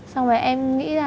xong rồi em nghĩ là